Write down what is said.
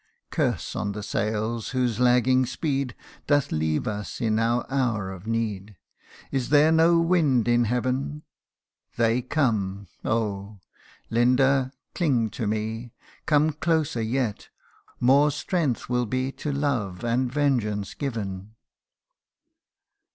Curse on the sails, whose lagging speed Doth leave us in our hour of need ! Is there no wind in heaven ? They come oh ! Linda, cling to me : 140 THE UNDYING ONE. Come closer yet : more strength will be To love and vengeance given